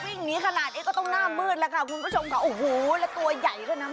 วิ่งหนีขนาดนี้ก็ต้องหน้ามืดแล้วค่ะคุณผู้ชมค่ะโอ้โหแล้วตัวใหญ่ด้วยนะ